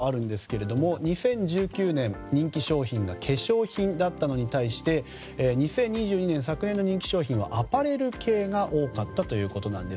そして、爆買いにも大きな変化がとありますけれども２０１９年、人気商品が化粧品だったのに対して２０２２年、昨年の人気商品はアパレル系が多かったということなんです。